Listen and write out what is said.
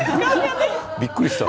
びっくりした。